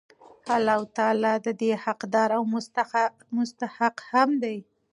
الله تعالی د دي حقدار او مستحق هم دی